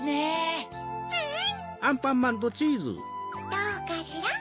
どうかしら？